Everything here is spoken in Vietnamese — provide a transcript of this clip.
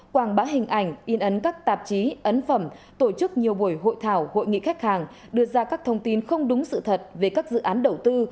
quảng bá hình ảnh in ấn các tạp chí ấn phẩm tổ chức nhiều buổi hội thảo hội nghị khách hàng đưa ra các thông tin không đúng sự thật về các dự án đầu tư